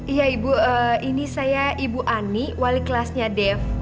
iya ibu ini saya ibu ani wali kelasnya dev